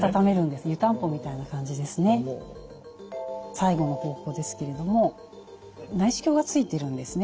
最後の方法ですけれども内視鏡がついてるんですね。